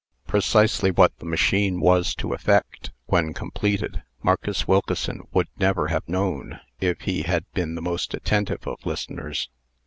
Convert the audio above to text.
Precisely what the machine was to effect, when completed, Marcus Wilkeson would never have known, if he had been the most attentive of listeners.